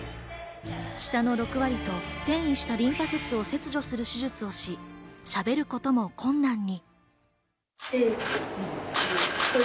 舌の６割と転移したリンパ節を切除する手術をし、しゃべることも困難に。